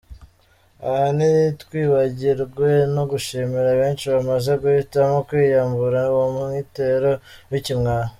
Aha ntitwibagirwe no gushimira benshi bamaze guhitamo kwiyambura uwo mwitero w’Ikimwaro.